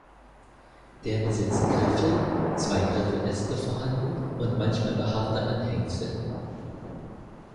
Der besitzt Griffel zwei Griffeläste vorhanden und manchmal behaarte Anhängsel.